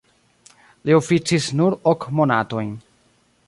Li oficis nur ok monatojn.